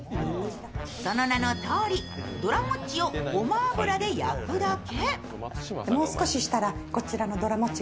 その名のとおり、どらもっちをごま油で焼くだけ。